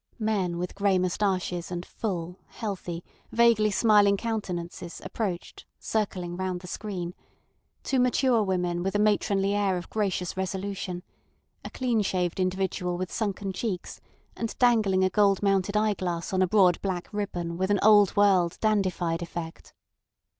Men with grey moustaches and full, healthy, vaguely smiling countenances approached, circling round the screen; two mature women with a matronly air of gracious resolution; a clean shaved individual with sunken cheeks, and dangling a gold mounted eyeglass on a broad black ribbon with an old world, dandified effect.